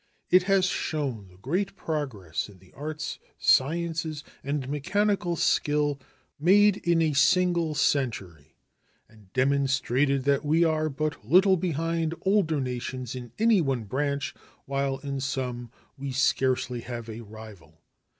It has shown the great progress in the arts, sciences, and mechanical skill made in a single century, and demonstrated that we are but little behind older nations in any one branch, while in some we scarcely have a rival.